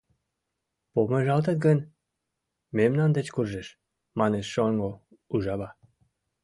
Помыжалтет гын, мемнан деч куржеш, — манеш шоҥго ужава.